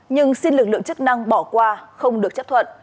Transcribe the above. nhưng xin lực lượng chức năng bỏ qua không được chấp thuận